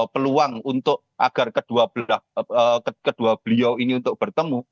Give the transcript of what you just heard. peluang untuk agar kedua beliau ini untuk bertemu